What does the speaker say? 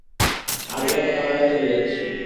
আজ রাতে কানাডা চলে যাচ্ছি।